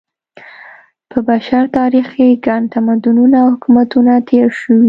په بشر تاریخ کې ګڼ تمدنونه او حکومتونه تېر شوي.